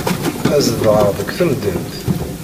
Ad zedɣeɣ deg temdint.